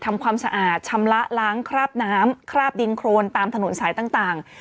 ทำความสะอาดชำระล้างคราบน้ำคราบดินโครนตามถนนสายต่าง